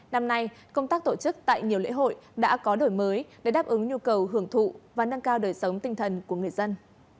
năm nay công tác tổ chức tại nhiều lễ hội đã có đổi mới để đáp ứng nhu cầu hưởng thụ và nâng cao đời sống tinh thần của người dân